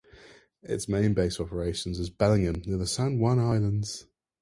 Its main base of operations is Bellingham near the San Juan Islands.